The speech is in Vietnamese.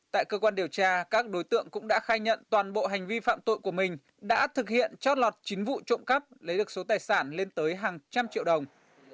tại cơ quan điều tra các đối tượng cũng đã khai nhận toàn bộ hành vi phạm tội của mình đã thực hiện trót lọt chín vụ trộm cắp lấy được số tài sản lên tới hàng trăm triệu đồng